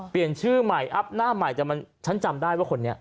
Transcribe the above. เปลี่ยนชื่อใหม่อัพหน้าใหม่แต่มันฉันจำได้ว่าคนนี้